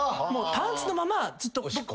パンツのままずっと。